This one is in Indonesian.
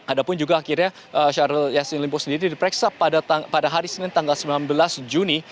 ada pun juga akhirnya syahrul yassin limpo sendiri diperiksa pada hari senin tanggal sembilan belas juni